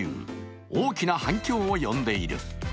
大きな反響を呼んでいる。